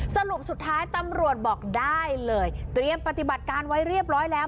สรุปสุดท้ายตำรวจบอกได้เลยเตรียมปฏิบัติการไว้เรียบร้อยแล้ว